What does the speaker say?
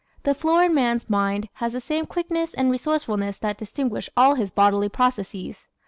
The florid man's mind has the same quickness and resourcefulness that distinguish all his bodily processes.